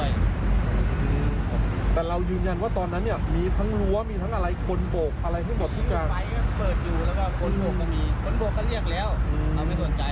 อืมแต่เรายืนยันว่าตอนนั้นเนี่ยมีทั้งหัวมีทั้งอะไรคนโบกอะไรทั้งหมดที่กลาง